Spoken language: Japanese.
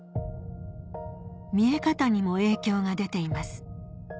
見え方にも影響が出ています